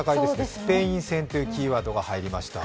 スペイン戦というキーワードが入りました。